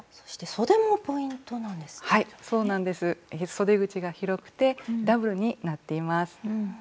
そで口が広くてダブルになっています。